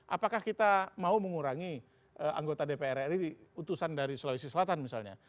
apakah kita mau mengurangi anggota dpr ri utusan dari sulawesi selatan misalnya